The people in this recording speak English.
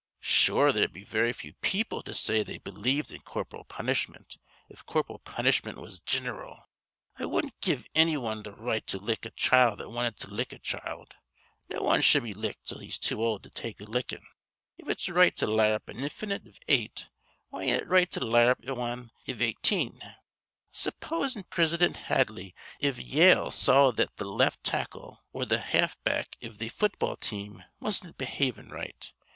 "Sure there'd be very few people to say they believed in corporal punishment if corporal punishment was gin'ral. I wudden't give anny wan th' right to lick a child that wanted to lick a child. No wan shud be licked till he's too old to take a licking. If it's right to larrup an infant iv eight, why ain't it right to larrup wan iv eighteen? Supposin' Prisidint Hadley iv Yale see that th' left tackle or th' half back iv th' football team wasn't behavin' right.